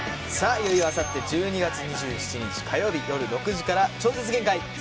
いよいよあさって１２月２７日火曜日夜６時から『超絶限界ソコまで見せる！？